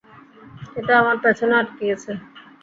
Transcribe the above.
এটা আমার পেছনে আটকে গেছে।